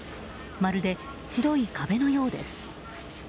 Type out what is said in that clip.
まるで、白い壁のようです。